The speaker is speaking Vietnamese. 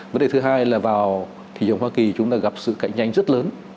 vấn đề thứ hai là vào thị trường hoa kỳ chúng ta gặp sự cạnh tranh rất lớn